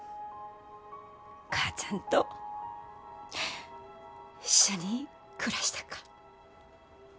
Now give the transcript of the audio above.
母ちゃんと一緒に暮らしたか。